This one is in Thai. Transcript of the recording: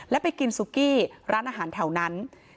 และไปกินซุกี้ร้านอาหารแถวนั้น